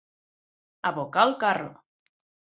Abocar el carro.